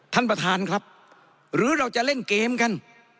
ท่านประธานครับหรือเราจะเล่นเกมกัน